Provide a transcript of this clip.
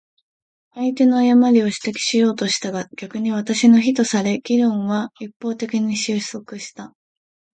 相手の誤りを指摘しようとしたが、逆に私の非とされ、議論は一方的に収束した。